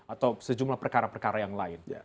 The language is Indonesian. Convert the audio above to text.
atau sejumlah perkara perkara yang lain